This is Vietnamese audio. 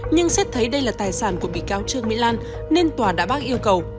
nhưng xét thấy đây là tài sản của bị cáo trương mỹ lan nên tòa đã bác yêu cầu